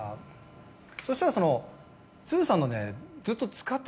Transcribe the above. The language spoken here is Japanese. そしたらその。